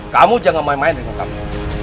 kamu jangan main main dengan kamu